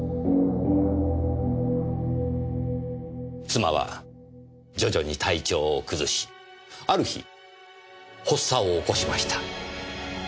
妻は徐々に体調を崩しある日発作を起こしました。